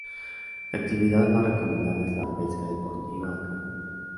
La actividad más recomendada es la pesca deportiva a caña.